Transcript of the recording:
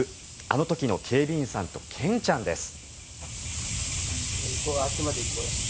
あの時の警備員さんとケンちゃんです。